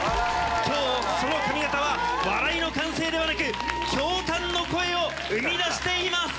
今日その髪形は笑いの歓声ではなく驚嘆の声を生み出しています。